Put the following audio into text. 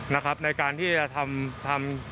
ในการที่จะทำ